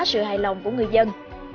sự hài lòng của người dân